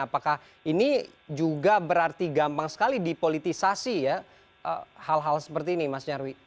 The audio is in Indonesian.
apakah ini juga berarti gampang sekali dipolitisasi ya hal hal seperti ini mas nyarwi